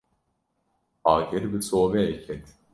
Agir bi sobeyê ket.